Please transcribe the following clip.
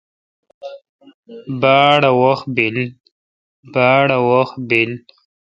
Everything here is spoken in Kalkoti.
باڑ اؘ وحت بیل۔